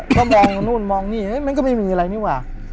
ก็มองนู่นมองนี่มันก็ไม่มีอะไรนี่ว่ะ